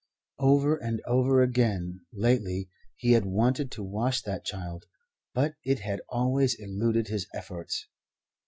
Over and over again, lately, he had wanted to wash that child, but it had always eluded his efforts.